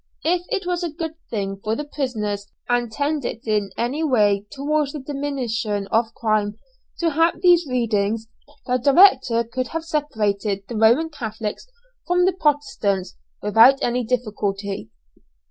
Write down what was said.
If it was a good thing for the prisoners and tended in any way towards the diminution of crime, to have these readings, the directors could have separated the Roman Catholics from the Protestants without any difficulty.